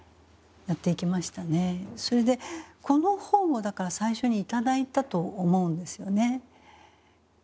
それでこの本をだから最初に頂いたと思うんですよね。